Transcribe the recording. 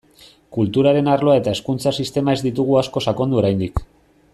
Kulturaren arloa eta hezkuntza sistema ez ditugu asko sakondu oraindik.